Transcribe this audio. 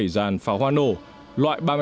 dàn pháo hoa nổ loại ba mươi sáu